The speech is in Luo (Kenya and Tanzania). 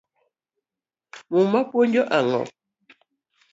Muma puonjo ango?